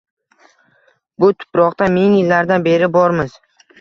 Bu tuproqda ming yillardan beri bormiz.